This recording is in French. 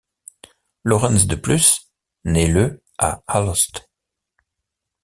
Laurens De Plus naît le à Alost.